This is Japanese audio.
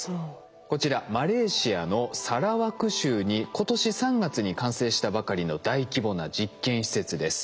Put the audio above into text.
こちらマレーシアのサラワク州に今年３月に完成したばかりの大規模な実験施設です。